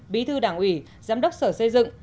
bí thư đảng ủy giám đốc sở xây dựng